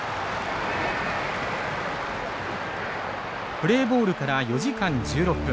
プレーボールから４時間１６分。